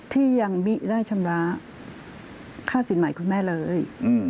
ที่ยังไม่ได้ชำระค่าสินใหม่คุณแม่เลย